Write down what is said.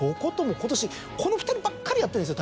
今年この２人ばっかりやってるんですよ